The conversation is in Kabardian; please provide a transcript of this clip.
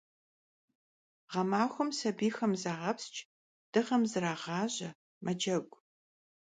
Ğemaxuem sabiyxem zağepsç', dığem zrağaje, mecegu.